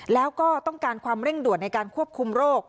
แล้วก็ต้องการความเร่งด่วนในการควบคุมโรค